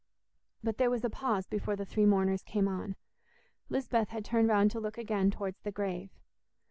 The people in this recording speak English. But there was a pause before the three mourners came on: Lisbeth had turned round to look again towards the grave!